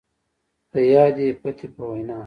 د يادې پتې په وينا،